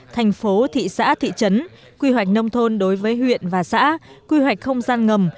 thành phố thị xã thị trấn quy hoạch nông thôn đối với huyện và xã quy hoạch không gian ngầm